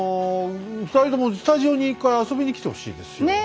二人ともスタジオに１回遊びに来てほしいですよ。